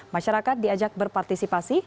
masyarakat diajak berpartisipasi